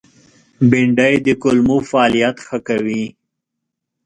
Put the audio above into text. بېنډۍ د کولمو فعالیت ښه کوي